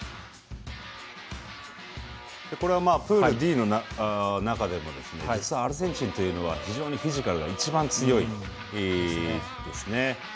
プールＤの中でも実はアルゼンチンというのは非常にフィジカルが一番強いですね。